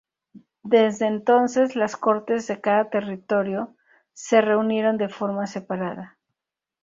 Desde entonces, las Cortes de cada territorio se reunieron de forma separada.